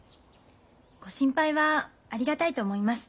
ご心配はありがたいと思います。